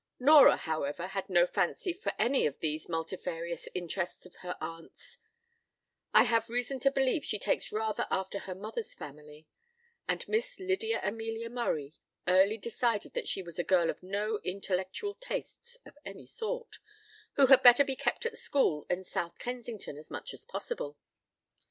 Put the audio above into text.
Nora, however, had no fancy for any of these multifarious interests of her aunt's: I have reason to believe she takes rather after her mother's family: and Miss Lydia Amelia Murray early decided that she was a girl of no intellectual tastes of any sort, who had better bekept at school at South Kensington as much as possible.